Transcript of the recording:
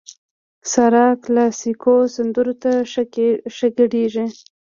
سارا کلاسيکو سندرو ته ښه ګډېږي.